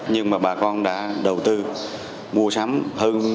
nhưng mà bà con đã đồng ý với bà con